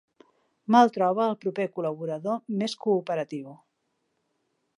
Mal troba el proper col·laborador més cooperatiu.